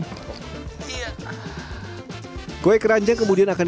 ini kue keranjang yang masih matang